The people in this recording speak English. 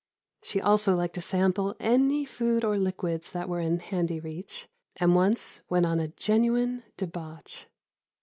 She also liked to sample any food or liquids that were in handy reach, and once went on a genuine debauch.